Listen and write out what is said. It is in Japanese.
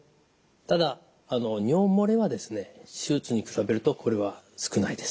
ただ尿漏れはですね手術に比べるとこれは少ないです。